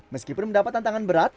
meskipun mendapat tantangan berat